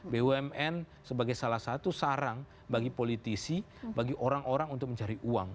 bumn sebagai salah satu sarang bagi politisi bagi orang orang untuk mencari uang